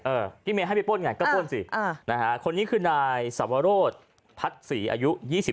เออที่เมียให้ไปป้นไงก็ป้นสิคนนี้คือนายสวรรค์พัดศรีอายุ๒๓